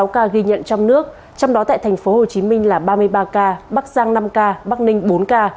sáu ca ghi nhận trong nước trong đó tại tp hcm là ba mươi ba ca bắc giang năm ca bắc ninh bốn ca